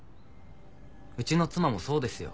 うちの妻もそうですよ。